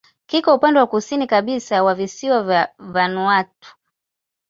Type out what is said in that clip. Kiko upande wa kusini kabisa wa visiwa vya Vanuatu.